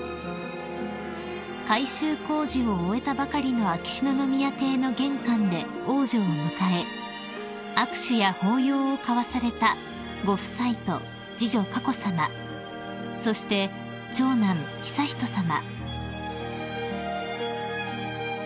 ［改修工事を終えたばかりの秋篠宮邸の玄関で王女を迎え握手や抱擁を交わされたご夫妻と次女佳子さまそして長男悠仁さま］